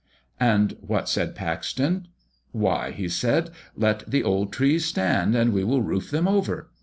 And what said Paxton? Why, he said, "Let the old trees stand, we will roof them over!"